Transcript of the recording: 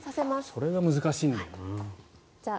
それが難しいんだよな。